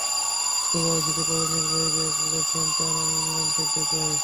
তবে আইসিসির প্রধান নির্বাহী ডেভ রিচার্ডসন চান আমির ইংল্যান্ডে খেলতে যান।